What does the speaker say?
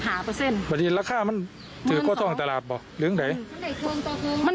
หาเปอร์เซ็นต์ปัจจุดละค่ามันถือก็ท่องตลาดหรือไหนมัน